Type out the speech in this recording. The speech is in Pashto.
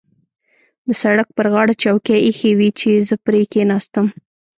د سړک پر غاړه چوکۍ اېښې وې چې زه پرې کېناستم.